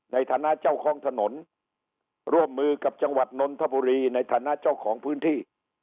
ในฐานะเจ้าของถนนร่วมมือกับจังหวัดนนทบุรีในฐานะเจ้าของพื้นที่